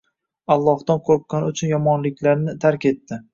Allohdan qo'rqqani uchun yomonliklarni tark etdi.